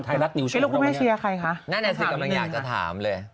ไทยรัฐนิวโชว์แล้วคุณแม่เชียร์ใครคะนั่นแหละสิกำลังอยากจะถามเลย